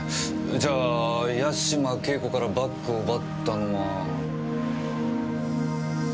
じゃあ八島景子からバッグを奪ったのは。